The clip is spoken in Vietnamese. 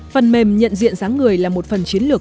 phần mềm nhận diện giáng người là một phần chiến lược